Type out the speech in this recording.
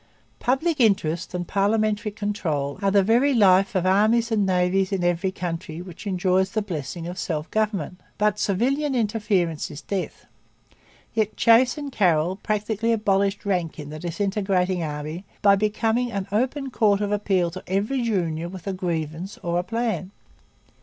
Public interest and parliamentary control are the very life of armies and navies in every country which enjoys the blessings of self government. But civilian interference is death. Yet Chase and Carroll practically abolished rank in the disintegrating army by becoming an open court of appeal to every junior with a grievance or a plan.